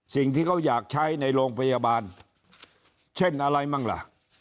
สิ่งที่เขาอยากใช้ในโรงพยาบาลเช่นอะไรมั่งล่ะ